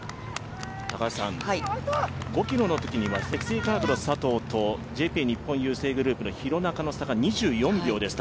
５ｋｍのときには積水化学の佐藤とＪＰ日本郵政グループの廣中の差が２４秒でした。